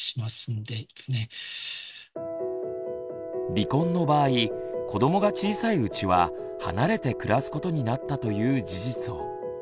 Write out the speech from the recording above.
離婚の場合子どもが小さいうちは離れて暮らすことになったという事実を。